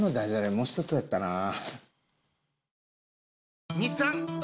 もうひとつやったなぁ。